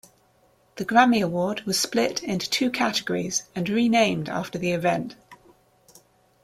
The Grammy award was split into two categories and renamed after the event.